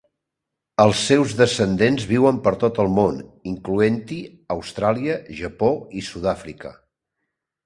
Els seus descendents viuen per tot el món, incloent-hi Austràlia, Japó i Sud-Àfrica.